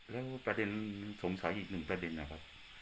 อ๋อแล้วประเด็นที่สงสัยอีกนึงประเด็นอะไรครับ